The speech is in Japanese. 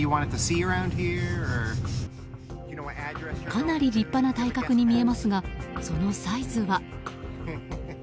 かなり立派な体格に見えますがそのサイズは。